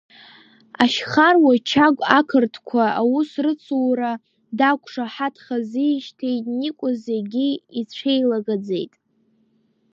Ашьхаруа Чагә ақырҭқәа аус рыцура дақәшаҳаҭхазижьҭеи, Никәа зегьы ицәеилагаӡеит.